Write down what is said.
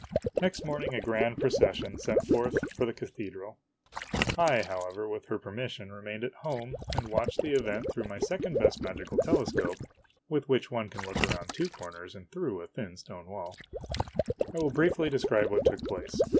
Next morning a grand procession set forth for the cathedral. THE ASTROLOGER S NIECE MARRIES 109 I, however, with her permission, remained at home and watched the event through my second best magic telescope, with which one can look around two corners and through a thin stone wall. I will briefly describe what took place.